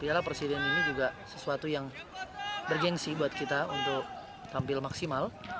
piala presiden ini juga sesuatu yang bergensi buat kita untuk tampil maksimal